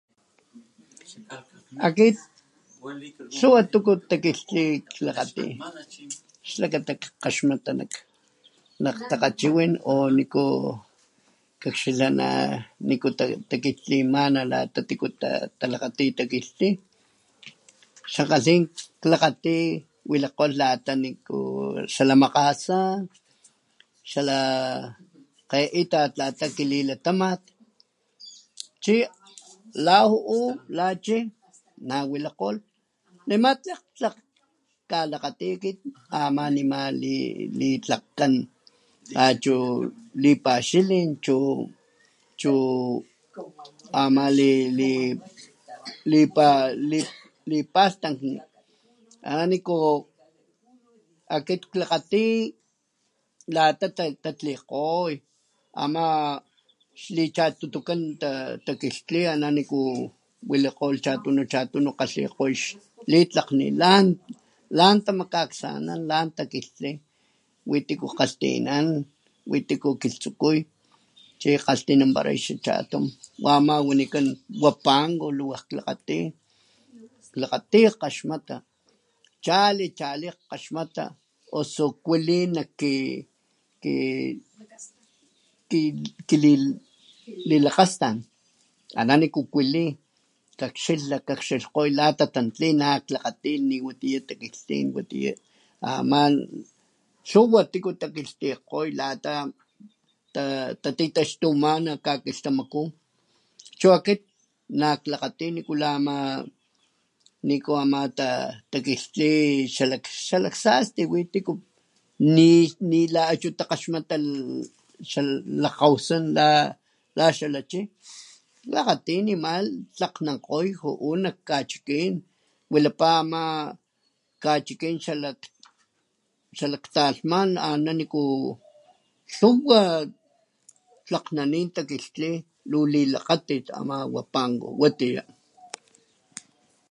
Akit lhuwa tuku takilhtlin klakgati xakata jkagaxmata nak nak takgachiwin o niku kakxila nak niku takilhtlimana lata tiku talakgati takilhtli xankgalhin klakgati wilakgoh lata niku xa la makgasa xa la kgeitat lata kililatamat chi la ju'u la chi nawilakgolh nema tlakg tlakg jkalakgati kit nima litlakgjkan la achu lipaxilin chu chu ama li li lipa lipalhtankni ama niku akit klakgati lata tatatlikgoy ama xli chatutukan ta'ta takilhtli lata niku wilakgolh chatunu chatunu kgalhikgoy xlitlakni lan lan tamakaksanan lan takilhtli wi tiku kgalhtinan wi tiku kilhtsukuy chi kgalhtinanpala xa chatum wa' ama wanikan huapango luwaj klakgati klakgati kgaxmata chali chali kgaxmata usu kuali nak kin kili ki lilakgastan ana niku kuali kakaxila kakxilhkgo lata tantli nak klakgati y niwatiya takilhtlin ama lhuwa tiku takilhtlikgoy lata tatitaxtumana kakilhtamaku chua akit nakklakgati nikula ama niku ama takilhtli xa lak sasti wi tiku ni la achu takgaxmata xa lajkgawasan la xa la chi klakgati nima tlanankgoy ju'u nak kachikin wilapa ama kachikin xalak talhman ana niku lhuwa tlakgnanin takilhtli lu li lakgatit ama huapango watiya.